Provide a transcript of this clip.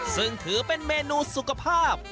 ซึ่งถือเป็นเมนูสุขภาพ